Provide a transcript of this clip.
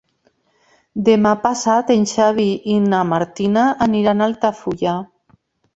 Demà passat en Xavi i na Martina aniran a Altafulla.